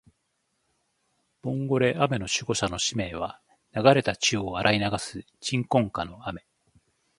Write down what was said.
ボンゴレ雨の守護者の使命は、流れた血を洗い流す鎮魂歌の雨